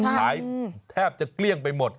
แทบจะเกลี้ยงไปหมด